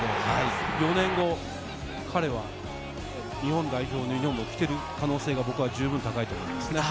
４年後、彼は日本代表人のユニホームを着てる可能性が高いと思います。